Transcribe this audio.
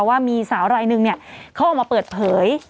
ว่ามีสาวรายหนึ่งเขาออกมาเปิดเผย